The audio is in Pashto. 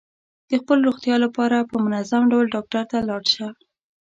د خپل روغتیا لپاره په منظم ډول ډاکټر ته لاړ شه.